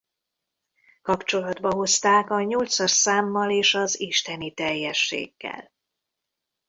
Kapcsolatba hozták a nyolcas számmal és az isteni teljességgel.